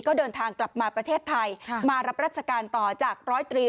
ก็เดินทางกลับมาประเทศไทยมารับราชการต่อจากร้อยตรี